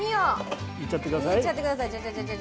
いっちゃってください。